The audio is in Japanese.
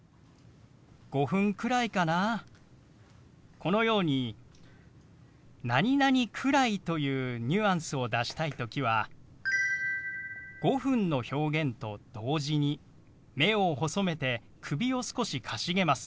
このように「くらい」というニュアンスを出したい時は「５分」の表現と同時に目を細めて首を少しかしげます。